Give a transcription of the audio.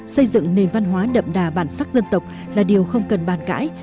xây dựng nền văn hóa đậm đà bản sắc dân tộc là điều không cần bàn cãi